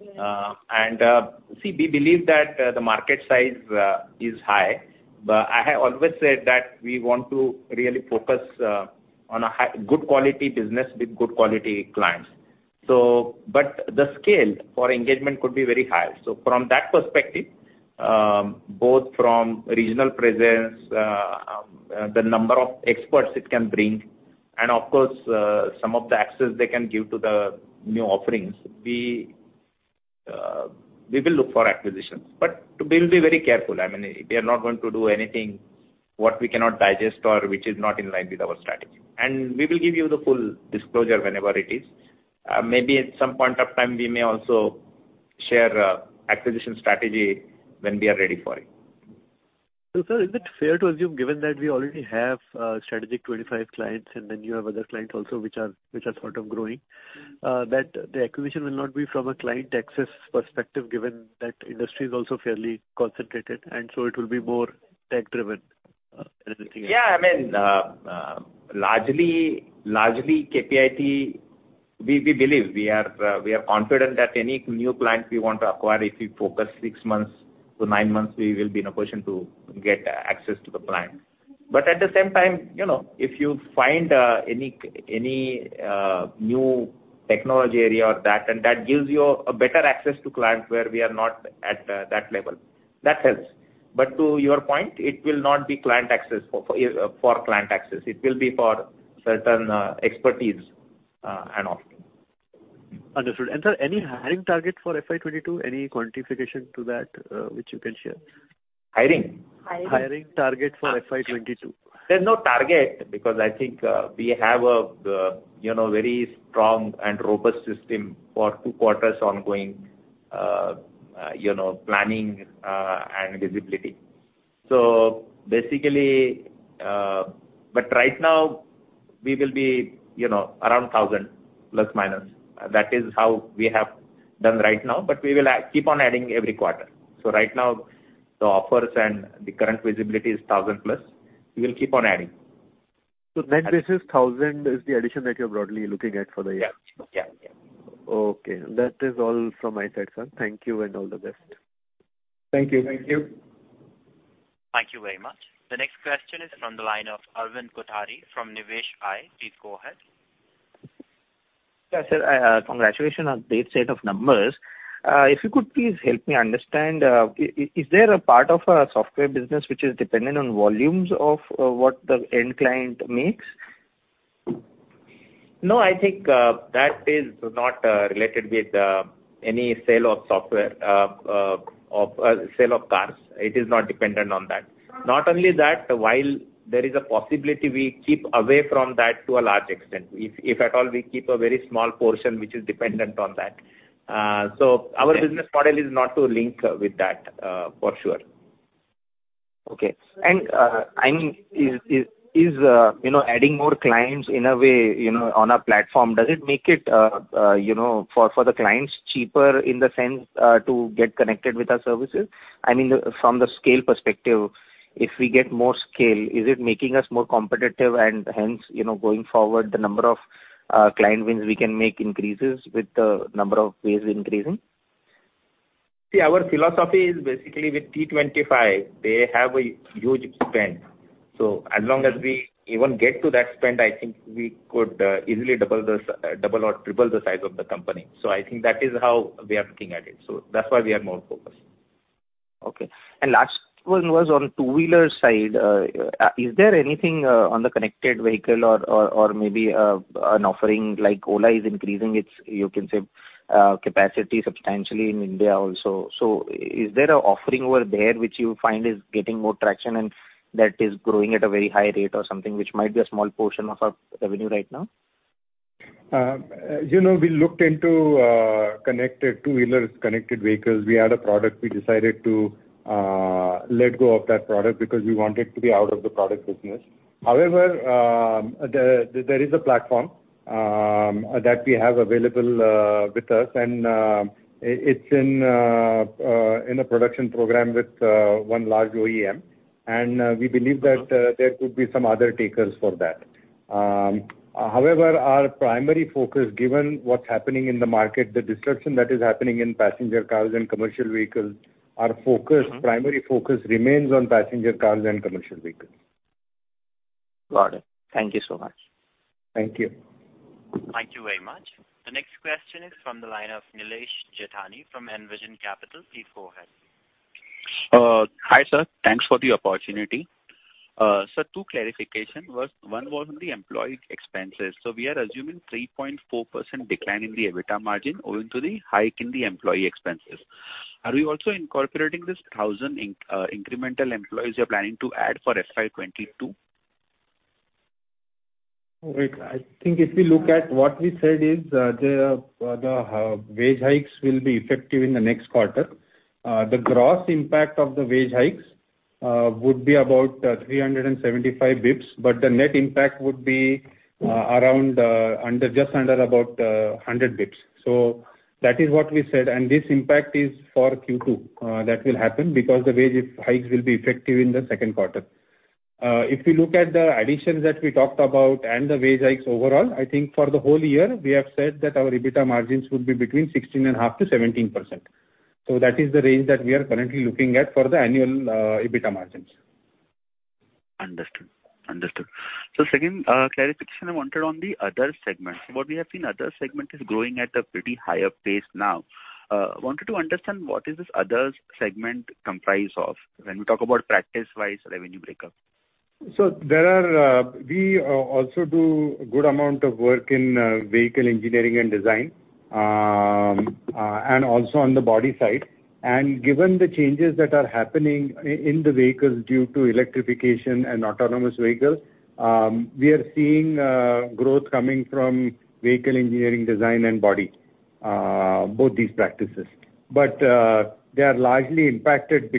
We believe that the market size is high. I have always said that we want to really focus on a good quality business with good quality clients. The scale for engagement could be very high. From that perspective, both from regional presence, the number of experts it can bring, and of course, some of the access they can give to the new offerings. We will look for acquisitions. We'll be very careful. We are not going to do anything what we cannot digest or which is not in line with our strategy. We will give you the full disclosure whenever it is. Maybe at some point of time, we may also share acquisition strategy when we are ready for it. Sir, is it fair to assume, given that we already have strategic T25 clients and then you have other clients also which are sort of growing, that the acquisition will not be from a client access perspective given that industry is also fairly concentrated and so it will be more tech driven than anything else? Largely, KPIT, we believe, we are confident that any new client we want to acquire, if we focus six months to nine months, we will be in a position to get access to the client. At the same time, if you find any new technology area and that gives you a better access to client where we are not at that level, that helps. To your point, it will not be for client access. It will be for certain expertise and all. Understood. Sir, any hiring target for FY 2022? Any quantification to that which you can share? Hiring? Hiring target for FY 2022. There's no target because I think we have a very strong and robust system for two quarters ongoing planning and visibility. Right now we will be around 1,000 ±. That is how we have done right now, but we will keep on adding every quarter. Right now, the offers and the current visibility is 1,000+. We will keep on adding. Net basis 1,000 is the addition that you're broadly looking at for the year? Yes. Okay. That is all from my side, sir. Thank you and all the best. Thank you. Thank you. Thank you very much. The next question is from the line of Arvind Kothari from Niveshaay. Please go ahead. Yeah, sir. Congratulations on great set of numbers. If you could please help me understand, is there a part of software business which is dependent on volumes of what the end client makes? No, I think that is not related with any sale of software or sale of cars. It is not dependent on that. Not only that, while there is a possibility we keep away from that to a large extent. If at all, we keep a very small portion which is dependent on that. Our business model is not to link with that, for sure. Okay. Is adding more clients in a way on a platform, does it make it for the clients cheaper in the sense to get connected with our services? From the scale perspective, if we get more scale, is it making us more competitive and hence, going forward the number of client wins we can make increases with the number of ways increasing? See, our philosophy is basically with T25, they have a huge spend. As long as we even get to that spend, I think we could easily double or triple the size of the company. That's why we are more focused. Okay. Last one was on two-wheeler side. Is there anything on the connected vehicle or maybe an offering like Ola is increasing its, you can say, capacity substantially in India also. Is there an offering over there which you find is getting more traction and that is growing at a very high rate or something which might be a small portion of our revenue right now? As you know, we looked into connected two-wheelers, connected vehicles. We had a product. We decided to let go of that product because we wanted to be out of the product business. However, there is a platform that we have available with us, and it's in a production program with one large OEM, and we believe that there could be some other takers for that. However, our primary focus, given what's happening in the market, the disruption that is happening in passenger cars and commercial vehicles, our primary focus remains on passenger cars and commercial vehicles. Got it. Thank you so much. Thank you. Thank you very much. The next question is from the line of Nilesh Jethani from Envision Capital. Please go ahead. Hi, sir. Thanks for the opportunity. Sir, two clarification. One was on the employee expenses. We are assuming 3.4% decline in the EBITDA margin owing to the hike in the employee expenses. Are we also incorporating this 1,000 incremental employees you're planning to add for FY 2022? Wait. I think if we look at what we said is, the wage hikes will be effective in the next quarter. The gross impact of the wage hikes would be about 375 basis points, but the net impact would be just under about 100 basis points. that is what we said. this impact is for Q2. That will happen because the wage hikes will be effective in the second quarter. If you look at the additions that we talked about and the wage hikes overall, I think for the whole year, we have said that our EBITDA margins would be between 16.5%-17%. that is the range that we are currently looking at for the annual EBITDA margins. Understood. Second clarification I wanted on the other segment. What we have seen other segment is growing at a pretty higher pace now. Wanted to understand what is this other segment comprised of when we talk about practice-wise revenue breakup. We also do a good amount of work in vehicle engineering and design, and also on the body side. Given the changes that are happening in the vehicles due to electrification and autonomous vehicles, we are seeing growth coming from vehicle engineering design and body, both these practices. They are largely impacted,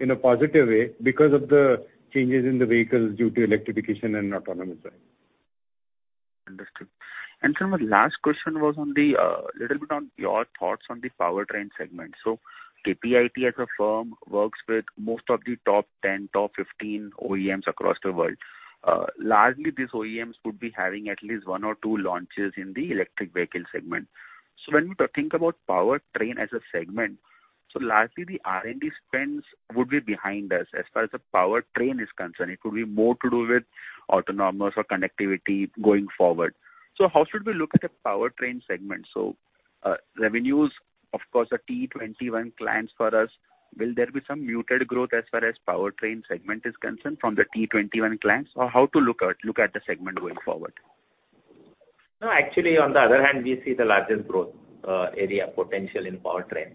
in a positive way, because of the changes in the vehicles due to electrification and autonomous driving. Understood. sir, my last question was a little bit on your thoughts on the powertrain segment. KPIT as a firm works with most of the top 10, top 15 OEMs across the world. Largely, these OEMs would be having at least one or two launches in the electric vehicle segment. when we think about powertrain as a segment, so largely the R&D spends would be behind us as far as the powertrain is concerned. It could be more to do with autonomous or connectivity going forward. how should we look at a powertrain segment? Revenues, of course, are T21 clients for us. Will there be some muted growth as far as powertrain segment is concerned from the T21 clients or how to look at the segment going forward? No, actually, on the other hand, we see the largest growth area potential in powertrain.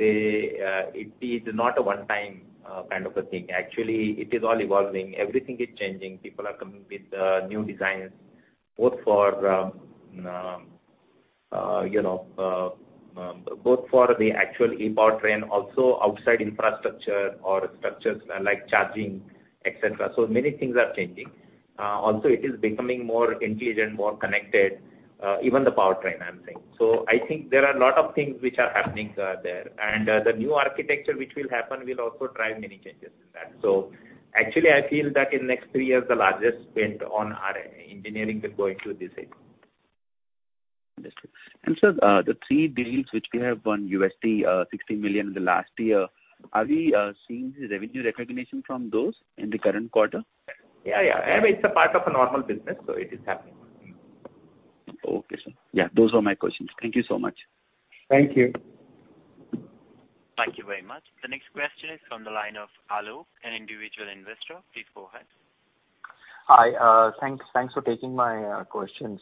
It is not a one-time kind of a thing. Actually, it is all evolving. Everything is changing. People are coming with new designs, both for the actual e-powertrain, also outside infrastructure or structures like charging, et cetera. Many things are changing. Also it is becoming more intelligent, more connected, even the powertrain, I am saying. I think there are a lot of things which are happening there, and the new architecture which will happen will also drive many changes in that. Actually, I feel that in next three years, the largest spend on our engineering will go into this segment. Understood. Sir, the three deals which we have won, $60 million in the last year. Are we seeing the revenue recognition from those in the current quarter? Yeah. I mean, it's a part of a normal business, so it is happening. Okay, sir. Yeah, those were my questions. Thank you so much. Thank you. Thank you very much. The next question is from the line of Alok, an individual investor. Please go ahead. Hi. Thanks for taking my questions.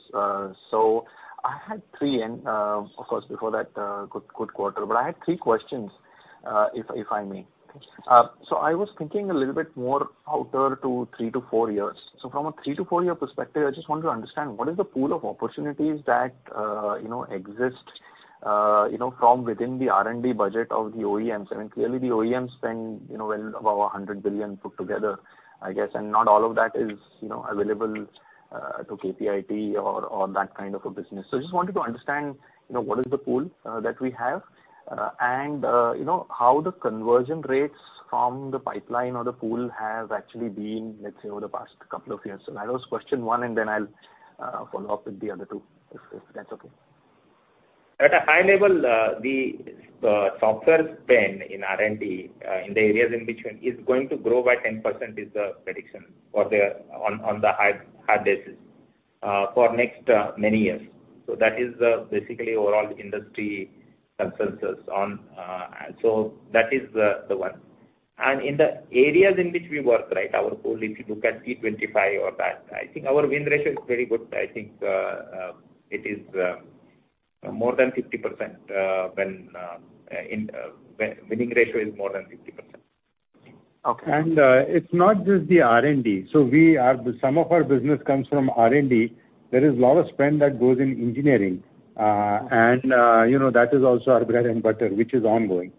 I had three and, of course, before that, good quarter, but I had three questions, if I may. Sure. I was thinking a little bit more outer to three to four years. From a three to four year perspective, I just want to understand what is the pool of opportunities that exist from within the R&D budget of the OEMs. I mean, clearly the OEMs spend well above 100 billion put together, I guess, and not all of that is available to KPIT or that kind of a business. I just wanted to understand what is the pool that we have, and how the conversion rates from the pipeline or the pool have actually been, let's say, over the past couple of years. That was question one, and then I'll follow up with the other two, if that's okay. At a high level, the software spend in R&D, in the areas in which we're in, is going to grow by 10% is the prediction on the high basis for next many years. That is basically overall industry consensus. That is the one. In the areas in which we work, our pool, if you look at T25 or that, I think our win ratio is very good. I think winning ratio is more than 50%. Okay. It's not just the R&D. Some of our business comes from R&D. There is a lot of spend that goes in engineering. That is also our bread and butter, which is ongoing.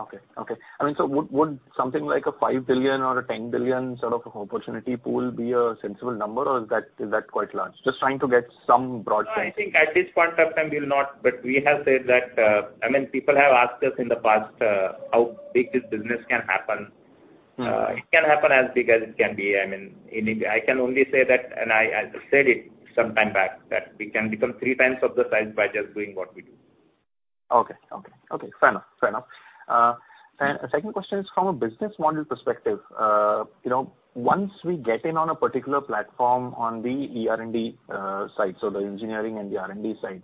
Okay. I mean, would something like a 5 billion or a 10 billion sort of opportunity pool be a sensible number or is that quite large? Just trying to get some broad sense. No, I think at this point of time we'll not, but we have said that, I mean, people have asked us in the past how big this business can happen. It can happen as big as it can be. I mean, I can only say that, and I said it some time back, that we can become three times of the size by just doing what we do. Okay. Fair enough. Second question is from a business model perspective. Once we get in on a particular platform on the R&D side, so the engineering and the R&D side,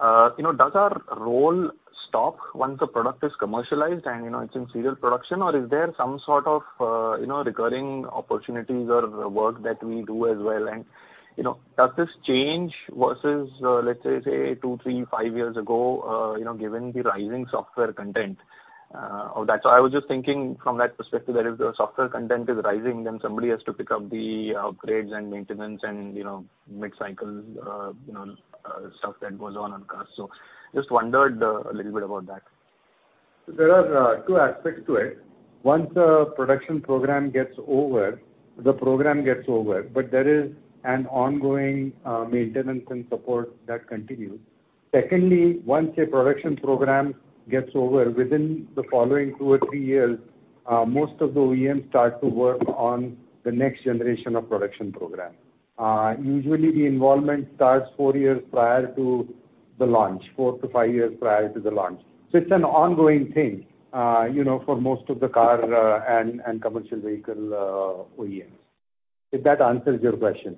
does our role stop once the product is commercialized and it's in serial production? is there some sort of recurring opportunities or work that we do as well and does this change versus, let's say, two, three, five years ago, given the rising software content of that? I was just thinking from that perspective, that if the software content is rising, then somebody has to pick up the upgrades and maintenance and mid-cycle stuff that goes on cars. just wondered a little bit about that. There are two aspects to it. Once a production program gets over, the program gets over. There is an ongoing maintenance and support that continues. Secondly, once a production program gets over, within the following two or three years, most of the OEMs start to work on the next generation of production program. Usually, the involvement starts four years prior to the launch, four to five years prior to the launch. It's an ongoing thing for most of the car and commercial vehicle OEMs. If that answers your question.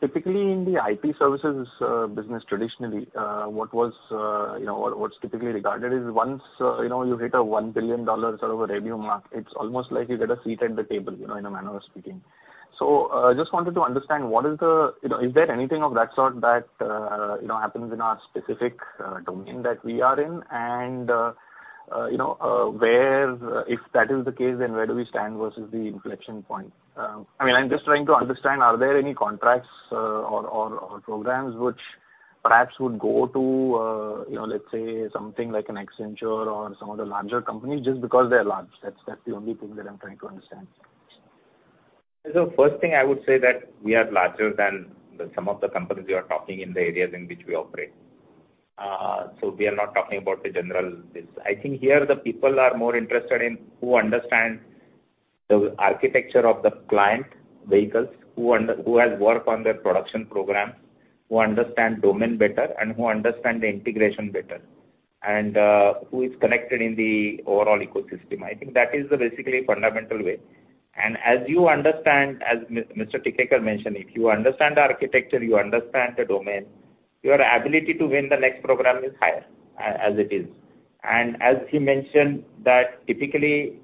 Typically in the IT services business, traditionally, what's typically regarded is once you hit a INR 1 billion sort of a revenue mark, it's almost like you get a seat at the table, in a manner of speaking. Just wanted to understand, is there anything of that sort that happens in our specific domain that we are in? If that is the case, then where do we stand versus the inflection point? I'm just trying to understand, are there any contracts or programs which perhaps would go to, let's say, something like an Accenture or some of the larger companies, just because they're large? That's the only thing that I'm trying to understand. First thing I would say that we are larger than some of the companies you are talking in the areas in which we operate. We are not talking about the general business. I think here the people are more interested in who understands the architecture of the client vehicles, who has worked on their production program, who understand domain better, and who understand the integration better, and who is connected in the overall ecosystem. I think that is the basically fundamental way. As you understand, as Mr. Tikekar mentioned, if you understand the architecture, you understand the domain, your ability to win the next program is higher as it is. As he mentioned that typically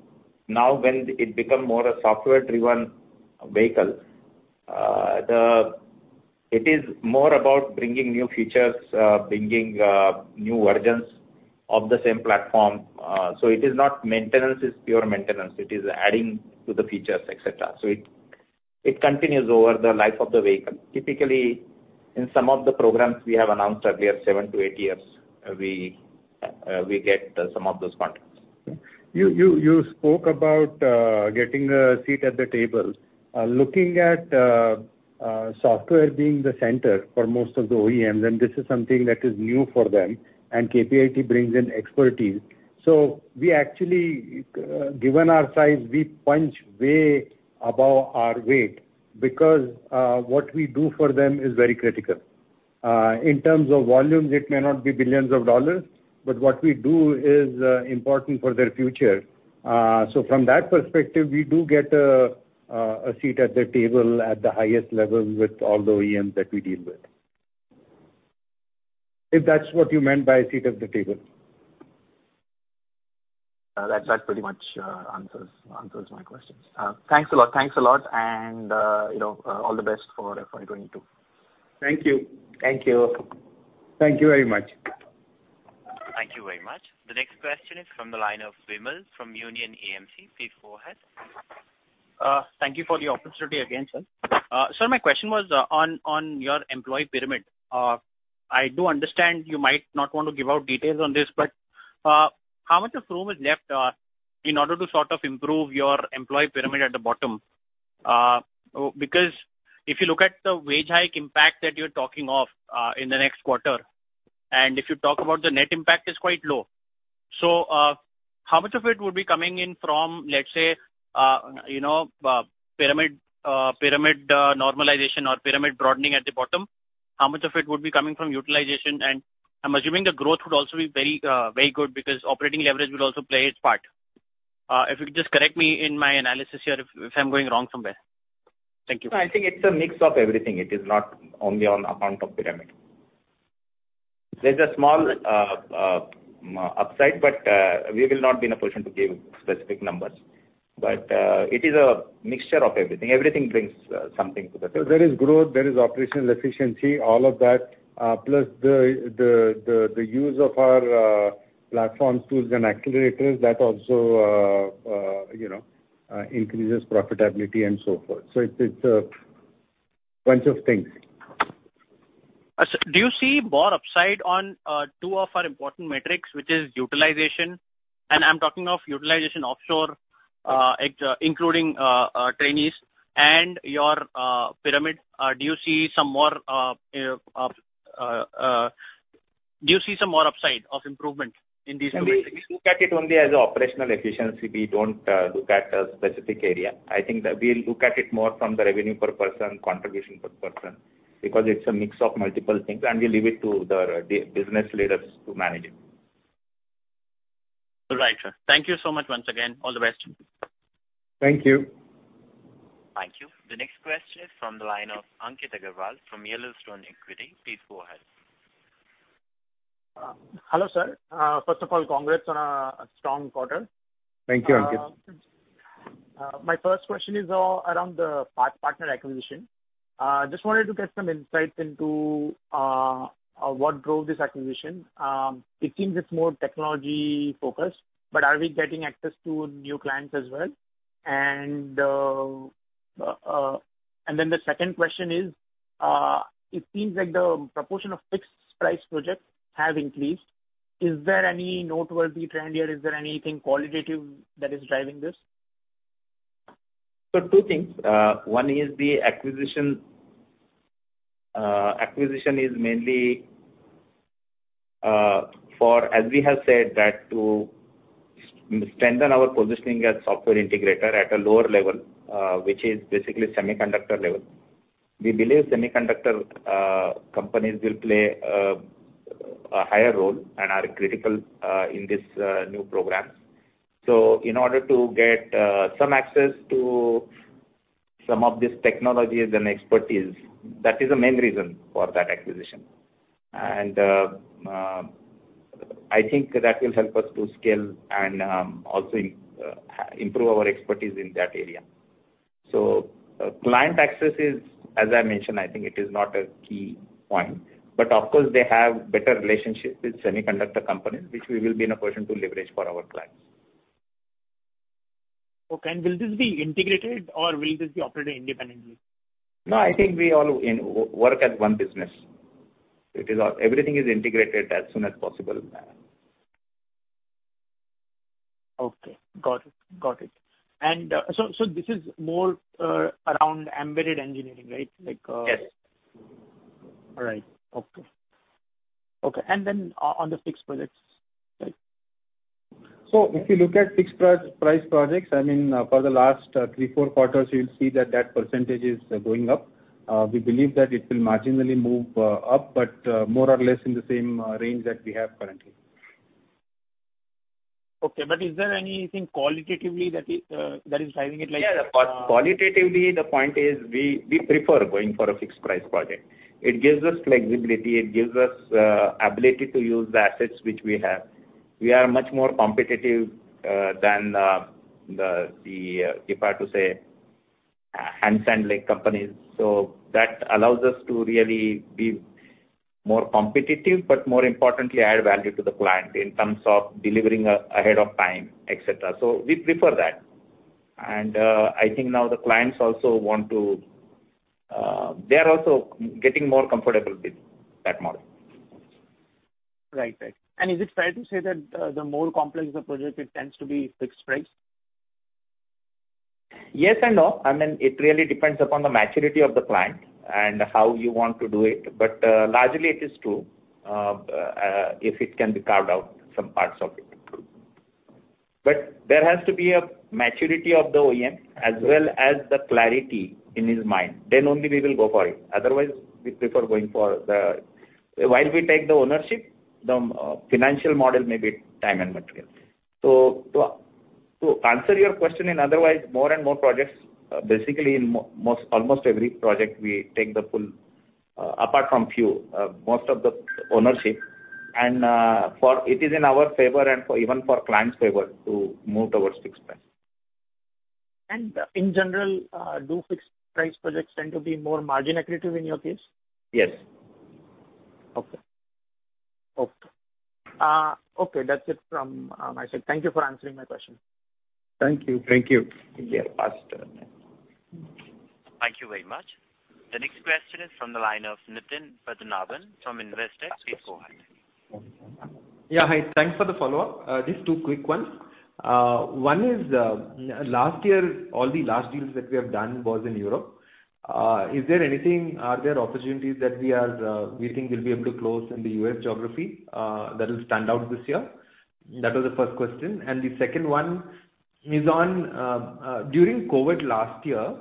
now when it become more a software-driven vehicle, it is more about bringing new features, bringing new versions of the same platform. It is not maintenance is pure maintenance. It is adding to the features, et cetera. It continues over the life of the vehicle. Typically, in some of the programs we have announced earlier, seven to eight years, we get some of those contracts. You spoke about getting a seat at the table. Looking at software being the center for most of the OEMs, and this is something that is new for them, and KPIT brings in expertise. We actually, given our size, we punch way above our weight because what we do for them is very critical. In terms of volumes, it may not be billions of dollars, but what we do is important for their future. From that perspective, we do get a seat at the table at the highest level with all the OEMs that we deal with. If that's what you meant by a seat at the table. That pretty much answers my questions. Thanks a lot. All the best for 2022. Thank you. Thank you. Thank you very much. Thank you very much. The next question is from the line of Vimal from Union AMC. Please go ahead. Thank you for the opportunity again, sir. Sir, my question was on your employee pyramid. I do understand you might not want to give out details on this, but how much of room is left in order to sort of improve your employee pyramid at the bottom? Because if you look at the wage hike impact that you're talking of in the next quarter, and if you talk about the net impact, it's quite low. How much of it would be coming in from, let's say, pyramid normalization or pyramid broadening at the bottom? How much of it would be coming from utilization? I'm assuming the growth would also be very good because operating leverage will also play its part. If you could just correct me in my analysis here if I'm going wrong somewhere. Thank you. I think it's a mix of everything. It is not only on account of pyramid. There's a small upside, but we will not be in a position to give specific numbers. It is a mixture of everything. Everything brings something to the table. There is growth, there is operational efficiency, all of that. Plus the use of our platform tools and accelerators, that also increases profitability and so forth. it's a bunch of things. Sir, do you see more upside on two of our important metrics, which is utilization, and I'm talking of utilization offshore, including trainees and your pyramid. Do you see some more upside of improvement in these two metrics? We look at it only as operational efficiency. We don't look at a specific area. I think that we'll look at it more from the revenue per person, contribution per person, because it's a mix of multiple things, and we leave it to the business leaders to manage it. All right, sir. Thank you so much once again. All the best. Thank you. From the line of Ankit Agrawal from Yellowstone Equity. Please go ahead. Hello, sir. First of all, congrats on a strong quarter. Thank you, Ankit. My first question is around the PathPartner acquisition. Just wanted to get some insights into what drove this acquisition. It seems it's more technology-focused, but are we getting access to new clients as well? The second question is, it seems like the proportion of fixed price projects have increased. Is there any noteworthy trend here? Is there anything qualitative that is driving this? Two things. One is the acquisition. Acquisition is mainly, as we have said, to strengthen our positioning as software integrator at a lower level, which is basically semiconductor level. We believe semiconductor companies will play a higher role and are critical in these new programs. In order to get some access to some of these technologies and expertise, that is the main reason for that acquisition. I think that will help us to scale and also improve our expertise in that area. Client access is, as I mentioned, I think it is not a key point, but of course they have better relationships with semiconductor companies, which we will be in a position to leverage for our clients. Okay. Will this be integrated or will this be operated independently? No, I think we all work as one business. Everything is integrated as soon as possible. Okay, got it. This is more around embedded engineering, right? Yes. All right. Okay. On the fixed projects. If you look at fixed price projects, for the last three, four quarters, you'll see that that percentage is going up. We believe that it will marginally move up, but more or less in the same range that we have currently. Okay, is there anything qualitatively that is driving it like- Yeah. Qualitatively, the point is we prefer going for a fixed price project. It gives us flexibility. It gives us ability to use the assets which we have. We are much more competitive than the, if I have to say, hand-held companies. That allows us to really be more competitive, but more importantly, add value to the client in terms of delivering ahead of time, et cetera. We prefer that. I think now the clients, they are also getting more comfortable with that model. Right. Is it fair to say that the more complex the project, it tends to be fixed price? Yes and no. It really depends upon the maturity of the client and how you want to do it. Largely it is true, if it can be carved out, some parts of it. There has to be a maturity of the OEM as well as the clarity in his mind, then only we will go for it. Otherwise, we prefer going for the While we take the ownership, the financial model may be time and material. To answer your question, and otherwise more and more projects, basically in almost every project, we take the full, apart from few, most of the ownership and it is in our favor and even for client's favor to move towards fixed price. In general, do fixed price projects tend to be more margin accretive in your case? Yes. Okay. That's it from my side. Thank you for answering my question. Thank you. Thank you. Thank you very much. The next question is from the line of Nitin Padmanabhan from Investec. Please go ahead. Yeah, hi. Thanks for the follow-up. Just two quick ones. One is, last year, all the large deals that we have done was in Europe. Are there opportunities that we think we'll be able to close in the U.S. geography that will stand out this year? That was the first question. The second one is on, during COVID last year,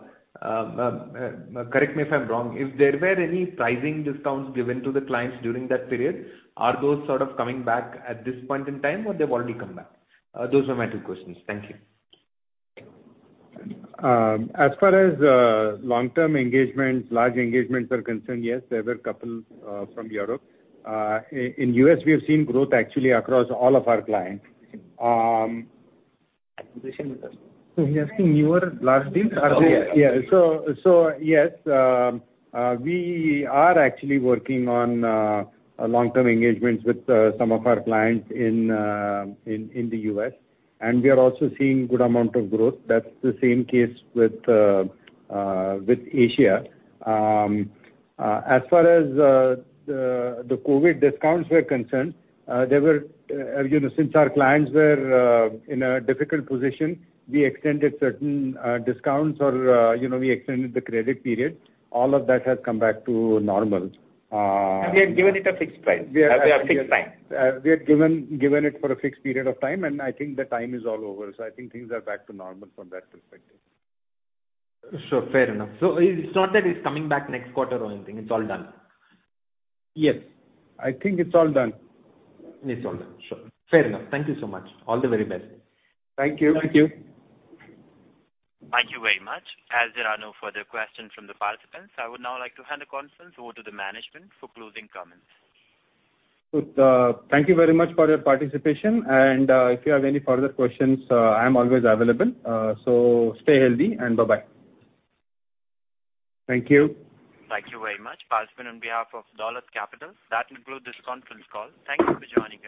correct me if I'm wrong, if there were any pricing discounts given to the clients during that period, are those sort of coming back at this point in time, or they've already come back? Those were my two questions. Thank you. As far as long-term engagements, large engagements are concerned, yes, there were a couple from Europe. In U.S., we have seen growth actually across all of our clients. Acquisition. You're asking your large deals, are they- Oh, yeah. Yeah. yes. We are actually working on long-term engagements with some of our clients in the U.S., and we are also seeing good amount of growth. That's the same case with Asia. As far as the COVID discounts were concerned, since our clients were in a difficult position, we extended certain discounts or we extended the credit period. All of that has come back to normal. we have given it a fixed price. A fixed time. We had given it for a fixed period of time, and I think the time is all over. I think things are back to normal from that perspective. Sure. Fair enough. It's not that it's coming back next quarter or anything, it's all done? Yes. I think it's all done. It's all done. Sure. Fair enough. Thank you so much. All the very best. Thank you. Thank you. Thank you very much. As there are no further questions from the participants, I would now like to hand the conference over to the management for closing comments. Thank you very much for your participation, and if you have any further questions, I am always available. Stay healthy, and bye-bye. Thank you. Thank you very much. Participant on behalf of Dolat Capital, that will conclude this conference call. Thank you for joining us.